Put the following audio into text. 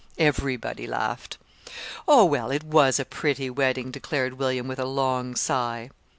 Everybody laughed. "Oh, well, it was a pretty wedding," declared William, with a long sigh.